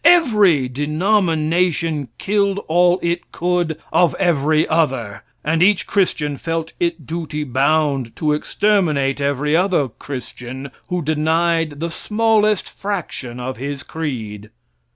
Every denomination killed all it could of every other; and each Christian felt it duty bound to exterminate every other Christian who denied the smallest fraction of his creed.